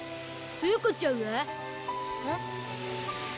風子ちゃんは？えっ？